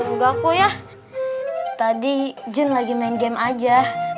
nggak kok ya tadi jun lagi main game aja